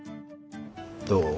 どう？